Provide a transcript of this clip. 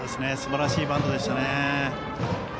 すばらしいバントでした。